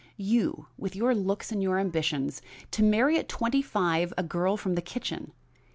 You, with your looks and your ambitions, to marry at twenty five a girl from the kitchen!